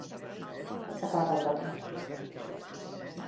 S'ha acabat el bròquil